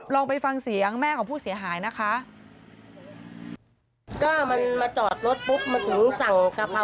ลองไปฟังเสียงแม่ของผู้เสียหายนะคะ